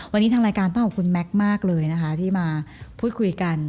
วันนี้ทางรายการต้องขอบคุณแม็กซ์มากเลยนะคะที่มาพูดคุยกัน